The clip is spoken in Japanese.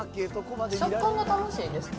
食感が楽しいですね。